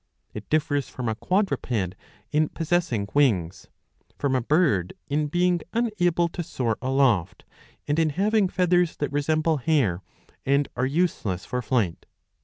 It differs from a quadruped, in possessing wings ; from a bird in being unable to soar aloft, and in having feathers that resemble hair and are useless for flight.